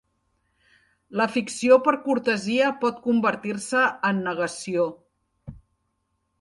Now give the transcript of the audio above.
La ficció per cortesia pot convertir-se en negació.